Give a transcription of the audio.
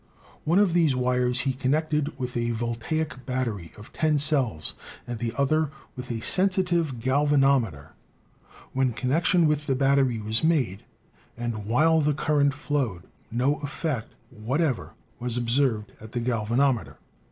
One of these wires he connected with a voltaic battery of ten cells, and the other with a sensitive gal vanometer. When connection with the battery was made, and while the current flowed, no effect whatever was ob served at the galvanometer.